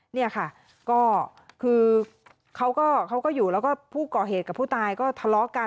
เนี่ยค่ะก็คือเขาก็อยู่แล้วก็ผู้ก่อเหตุกับผู้ตายก็ทะเลาะกัน